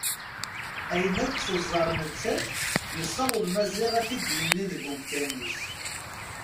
Ayen akk teẓẓar nettat yessaweḍ Maziɣ ad t-id-yini deg umkan-is.